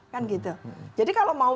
kan gitu jadi kalau mau